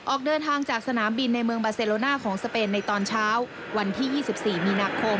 ออกเดินทางจากสนามบินในเมืองบาเซโลน่าของสเปนในตอนเช้าวันที่๒๔มีนาคม